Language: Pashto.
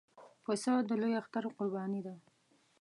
پسه د لوی اختر قرباني ده.